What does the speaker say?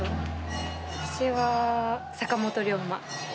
私は坂本龍馬。